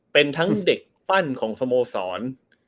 เป็นทั้งเด็กปั้นของสโมสร